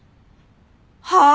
はあ！？